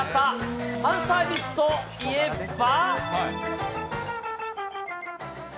ファンサービスといえば。